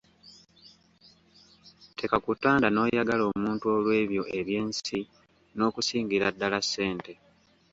Tekakutanda n'oyagala omuntu olw'ebyo eby'ensi n'okusingira ddala ssente.